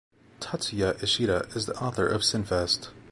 Tatsuya Ishida is the author of "Sinfest".